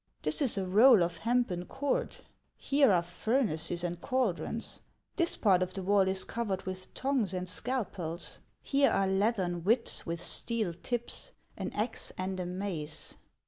"This is a roll of hempen cord; here are furnaces and caldrons ; this part of the wall is covered with tongs and scalpels ; here are leathern whips with steel tips, an axe and a mace."